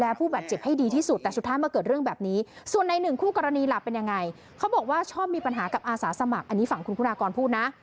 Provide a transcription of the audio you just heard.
เวลานี้นึงคู่กรณีหลักเป็นยังไงเขาบอกว่าชอบมีปัญหากับอาสาสมัครอันนี้ฝั่งคุณคุณากรพูดนะ